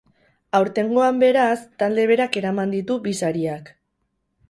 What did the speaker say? Aurtengoan, beraz, talde berak eraman ditu bi sariak.